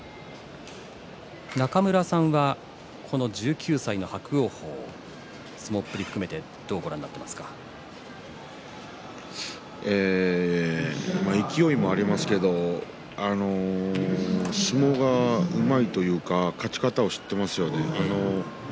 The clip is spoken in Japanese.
中村さんは、この１９歳の伯桜鵬どうご覧になっていますか。勢いもありますけれども相撲がうまいというか勝ち方を知っていますね。